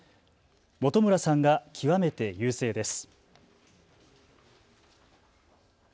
本村さんが極めて優勢です。